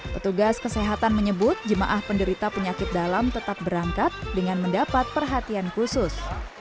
petugas kesehatan menyebut jemaah penderita penyakit dalam tetap berangkat dengan mendapat perhatian khusus